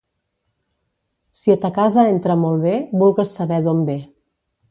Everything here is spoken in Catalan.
Si a ta casa entra molt bé vulgues saber d'on ve.